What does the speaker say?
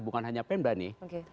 bukan hanya pendani